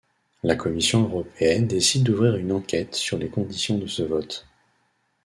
La commission européenne décide d’ouvrir une enquête sur les conditions de ce vote.